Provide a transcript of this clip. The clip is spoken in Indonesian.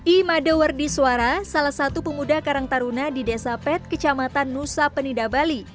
imade wardi suara salah satu pemuda karang taruna di desa pet kecamatan nusa penida bali